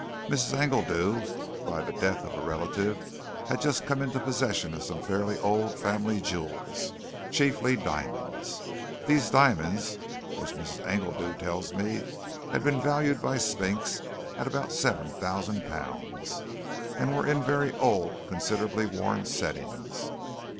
Mrs. Engledew, by the death of a relative, had just come into possession of some old family jewels chiefly diamonds. These diamonds, which, Mrs. Engledew tells me, had been valued by Spinks at about seven thousand pounds, were in very old, considerably worn settings.